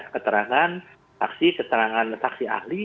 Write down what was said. keterangan saksi keterangan saksi ahli